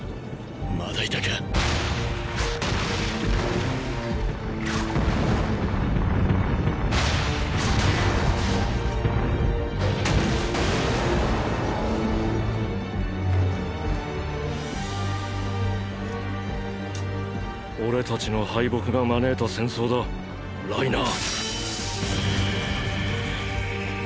まだいたか俺たちの敗北が招いた戦争だライナー。